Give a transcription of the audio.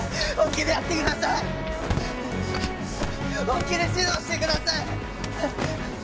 本気で指導してください！